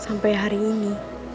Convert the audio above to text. sampai hari ini